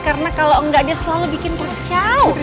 karena kalau enggak dia selalu bikin kercau